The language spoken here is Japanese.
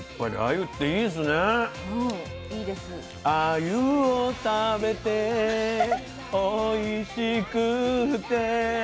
「あゆを食べておいしくって」